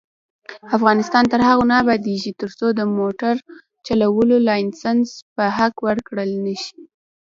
افغانستان تر هغو نه ابادیږي، ترڅو د موټر چلولو لایسنس په حق ورکړل نشي.